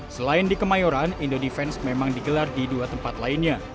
selain di kemayoran indo defense memang digelar di dua tempat lainnya